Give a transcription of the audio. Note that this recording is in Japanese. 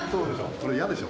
これ嫌でしょ？